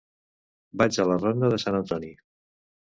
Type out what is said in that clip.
Vaig a la ronda de Sant Antoni.